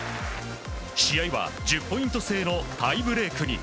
試合は１０ポイント制のタイブレークに。